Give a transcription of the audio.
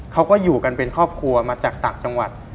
เขาก็อยู่กันเป็นครอบครัวมาจากต่างจังหวัด